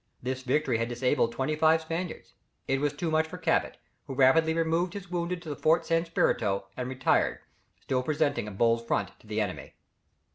This victory had disabled twenty five Spaniards. It was too much for Cabot, who rapidly removed his wounded to the fort San Spirito and retired, still presenting a bold front to the enemy.